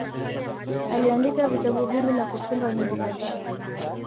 Aliandika vitabu vingi na kutunga nyimbo kadhaa